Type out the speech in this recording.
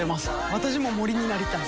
私も森になりたい。